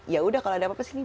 yaudah kalau ada apa apa sih